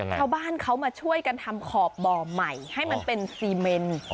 ชาวบ้านเขามาช่วยกันทำขอบบ่อใหม่ให้มันเป็นซีเมน